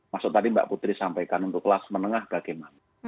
maksud tadi mbak putri sampaikan untuk kelas menengah bagaimana